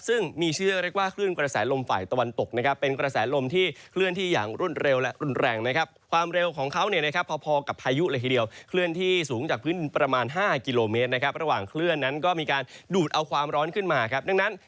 ซึ่งมีชื่อเรียกว่าเคลื่อนกระแสลมฝ่ายตะวันตกนะครับ